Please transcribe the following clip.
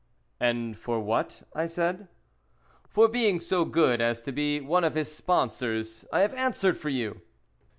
"And for what?" I said. "For being so good as to be one of his sponsors. I have answered for you!"